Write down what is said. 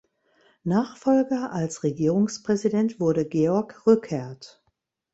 Nachfolger als Regierungspräsident wurde Georg Rückert.